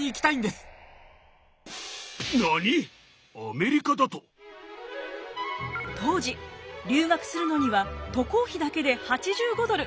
父さん当時留学するのには渡航費だけで８５ドル。